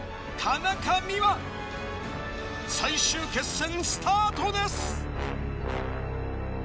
最終決戦スタートです！